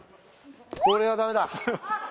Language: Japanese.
これはダメだ。